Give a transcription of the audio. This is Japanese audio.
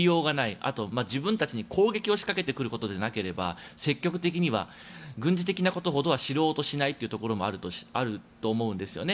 あと、自分たちに攻撃を仕掛けてくることじゃなければ積極的には軍事的なことほどは知ろうとしないこともあると思うんですよね。